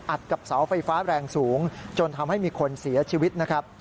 กับเสาไฟฟ้าแรงสูงจนทำให้มีคนเสียชีวิตนะครับ